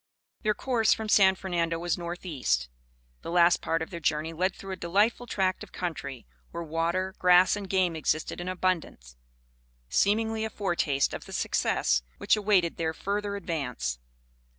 Their course from San Fernando was northeast. The last part of their journey led through a delightful tract of country, where water, grass and game existed in abundance, seemingly a foretaste of the success which awaited their further advance.